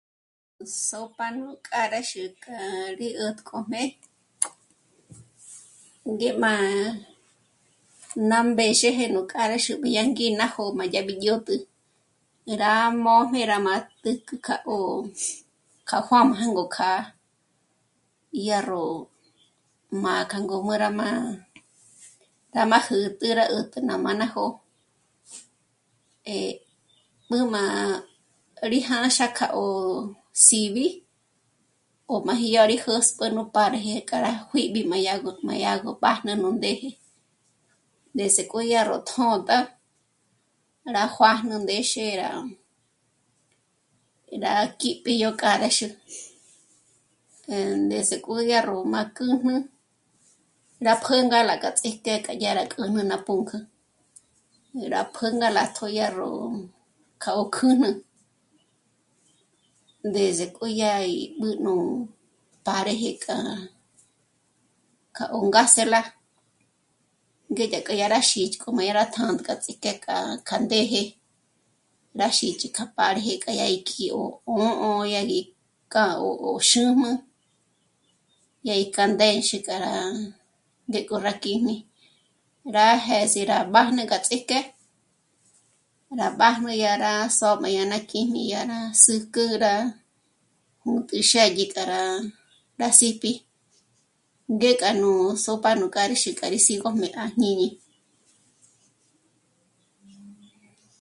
... Nú sópa nù k'âraxü k'a rí 'ä̀tk'ojmé ngé má... ná mbèzheje nú k'âraxü ngí ná jó'o yábi dyä̀jtjü, rá mójm'é rá má tä̀jk'ü k'a 'ó'o k'a juā̂jmā gó kjâ'a, yá ró... má k'a ngǔm'ü rá mâ'a, rá má jä̌t'ä, rá 'ä̌t'ä rá má ná jó'o. Eh, b'ǚ' má rí jânxa kjâ'a ó s'íbi o máji 'à rí jäsp'ü nú páreje k'a rá juī̌b'i má yá gó, má yá gó b'ájnü nú ndéje, ndés'e k'o yá ró tjō̌tja, rá juā̂jnu ndéxe rá... rá k'îp'i yó k'âraxu, ndés'e k'o yá ró má kjǘjnü, ná pjǔnga ná k'a ts'íjk'e k'a dyá rá kjǘjnü ná pǔnk'ü. Rá pjǚjnü rá t'ódya ró... kjâ'a ó kjǘjnü, ndés'e k'o yá í b'ǘ' nú páreje k'a... k'a ó ngásela, ngék'a k'a yá rá jích'kjo má yá rá tjântja ts'íjk'e kjâ'a k'a ndéje, rá xích'i k'a páreje k'a yá í kí'o 'ṑ'ō dyági k'a ó xǚm'ü, yá í k'a ndénxi k'a rá ngék'o rá kjíjmi rá jés'é rá b'ájn'e k'a ts'íjk'e, rá b'ájne yá rá s'ó'm'e yá rá kjíjmi, yá ra s'ǘjk'ü, rá jǚt'ü xë́dyi k'a rá s'íp'i ngék'a nú sopa nú k'âraxü k'a rí sígomjé à jñíñi